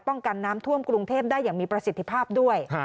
กันน้ำท่วมกรุงเทพได้อย่างมีประสิทธิภาพด้วย